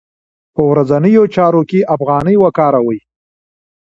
په ورځنیو چارو کې افغانۍ وکاروئ.